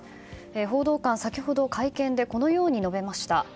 報道官、先ほど会見で、このように述べました。